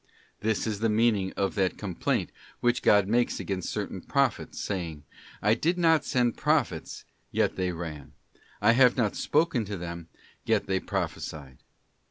This is the meaning of that complaint which God makes against certain prophets, saying: 'I did not send prophets, yet they ran; I have not spoken to them, yet they prophesied.